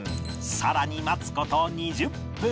さらに待つ事２０分